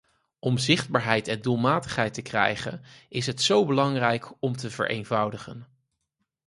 Om zichtbaarheid en doelmatigheid te krijgen is het zo belangrijk om te vereenvoudigen.